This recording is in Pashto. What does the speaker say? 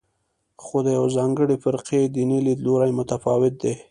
خو د یوې ځانګړې فرقې دیني لیدلوری متفاوت دی.